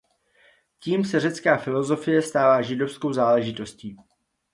Tím se řecká filosofie stává židovskou záležitostí.